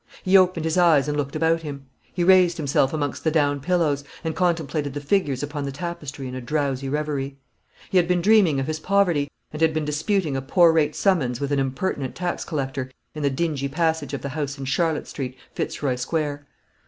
He opened his eyes and looked about him. He raised himself amongst the down pillows, and contemplated the figures upon the tapestry in a drowsy reverie. He had been dreaming of his poverty, and had been disputing a poor rate summons with an impertinent tax collector in the dingy passage of the house in Charlotte Street, Fitzroy Square.